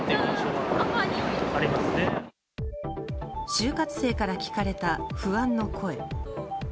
就活生から聞かれた、不安の声。